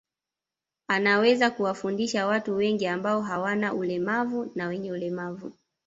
Ameweza kuwafundisha watu wengi ambao hawana ulemavu na wenye ulemavu